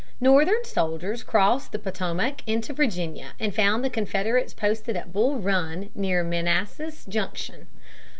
Northern soldiers crossed the Potomac into Virginia and found the Confederates posted at Bull Run near Manassas Junction.